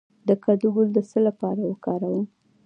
د کدو ګل د څه لپاره وکاروم؟